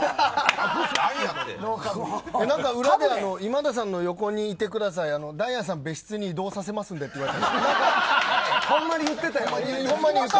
裏で今田さんの横にいてくださいダイアンさん別室に移動させますんで言われた。